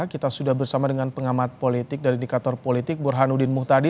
kita sudah bersama dengan pengamat politik dari indikator politik burhanuddin muhtadi